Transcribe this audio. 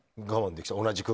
我慢できた。